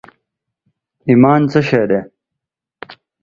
ایمان څه شي دي؟